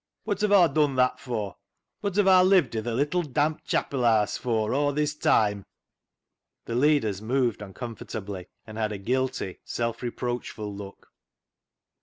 Wot have Aw done that fur ? Wot have Aw lived i' th' little damp chapil haase fur aw this toime ?" The leaders moved uncomfortably, and had a guilty, self reproachful look.